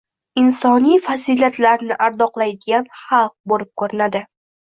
Insoniy fazilatlarni ardoqlaydigan xalq boʻlib koʻrinadi.